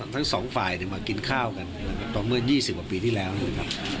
ทั้งสองฝ่ายมากินข้าวกันต่อเมื่อ๒๐ปีที่แล้วนี่ครับ